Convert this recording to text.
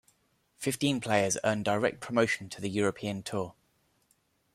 Fifteen players earn direct promotion to the European Tour.